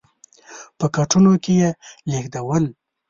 په کټونو کې یې لېږدول.